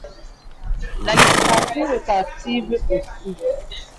La littérature le captive aussi.